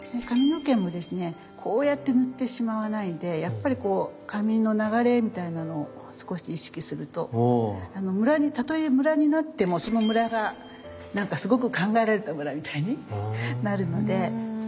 髪の毛もですねこうやって塗ってしまわないでやっぱりこう髪の流れみたいなのを少し意識するとたとえムラになってもそのムラが何かすごく考えられたムラみたいになるので。